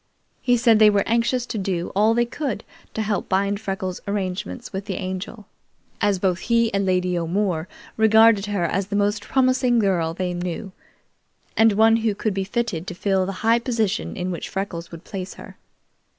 He said they were anxious to do all they could to help bind Freckles' arrangements with the Angel, as both he and Lady O'More regarded her as the most promising girl they knew, and one who could be fitted to fill the high position in which Freckles would place her.